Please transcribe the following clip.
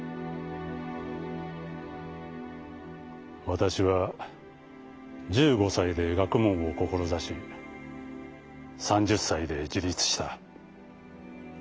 「わたしは１５さいで学問を志し３０さいで自立した。